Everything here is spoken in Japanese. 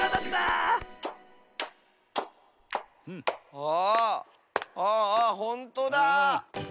ああほんとだ。